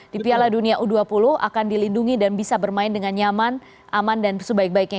di piala dunia u dua puluh akan dilindungi dan bisa bermain dengan nyaman aman dan sebaik baiknya